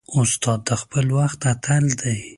استاد د خپل وخت اتل دی.